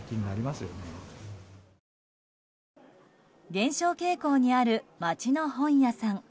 減少傾向にある街の本屋さん。